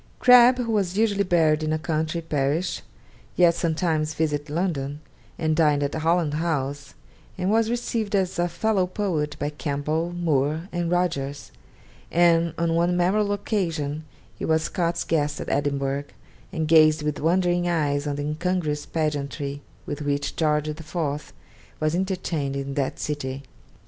Crabbe, who was usually buried in a country parish, yet sometimes visited London, and dined at Holland House, and was received as a fellow poet by Campbell, Moore, and Rogers; and on one memorable occasion he was Scott's guest at Edinburgh, and gazed with wondering eyes on the incongruous pageantry with which George IV. was entertained in that city.